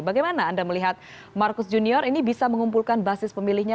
bagaimana anda melihat marcus junior ini bisa mengumpulkan basis pemilihnya